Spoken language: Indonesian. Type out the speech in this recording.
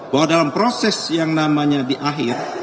bahwa dalam proses yang namanya diakhir